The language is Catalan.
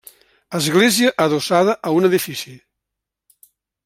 Església adossada a un edifici.